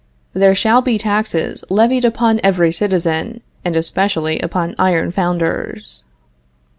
There shall be taxes levied upon every citizen, and especially upon iron founders.